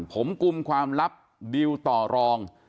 ผมกลุ่มความลับดิวต่อรอง